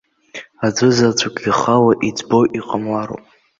Аӡәызаҵәык ихала иӡбо иҟамлароуп.